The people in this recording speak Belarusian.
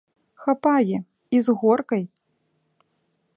Хапае, і з горкай.